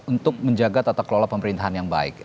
untuk menjaga tata kelola pemerintahan yang baik